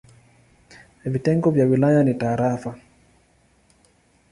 Vitengo vya wilaya ni tarafa.